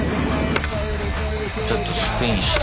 ちょっとスピンして。